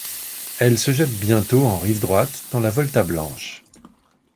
Elle se jette bientôt en rive droite dans la Volta Blanche.